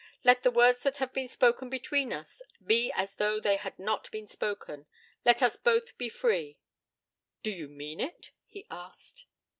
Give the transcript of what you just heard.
Let the words that have been spoken between us be as though they had not been spoken. Let us both be free.' 'Do you mean it?' he asked.